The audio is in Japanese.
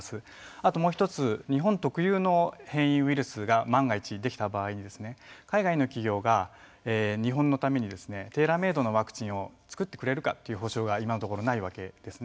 あと、もう一つ日本特有の変異ウイルスが万が一できた場合に海外の企業が日本のためにテーラーメードのワクチンを作ってくれるかという保証が今のところないわけですね。